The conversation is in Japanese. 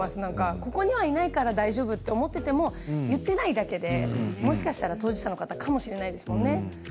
ここには、いないから大丈夫と思っていても言っていないだけでもしかしたら当事者の方かもしれないですものね。